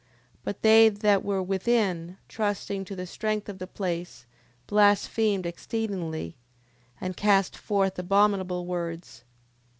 10:34. But they that were within, trusting to the strength of the place, blasphemed exceedingly, and cast forth abominable words.